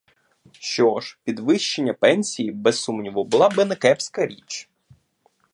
Що ж, підвищення пенсії без сумніву була би не кепська річ.